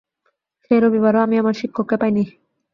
সেই রবিবারও আমি আমার শিক্ষককে পাইনি।